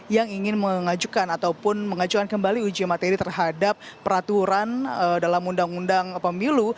yang ingin mengajukan ataupun mengajukan kembali uji materi terhadap peraturan dalam undang undang pemilu